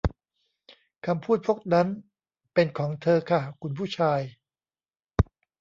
คำพูดพวกนั้นเป็นของเธอค่ะ คุณผู้ชาย